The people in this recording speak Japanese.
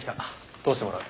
通してもらう。